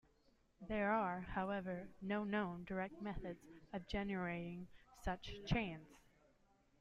There are, however, no known direct methods of generating such chains.